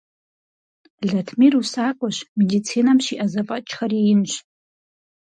Латмир усакӀуэщ, медицинэм щиӀэ зэфӀэкӀхэри инщ.